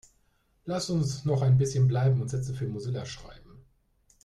Lasst uns noch ein bisschen bleiben und Sätze für Mozilla schreiben.